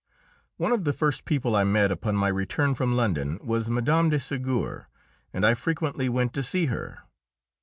One of the first people I met, upon my return from London, was Mme. de Ségur, and I frequently went to see her.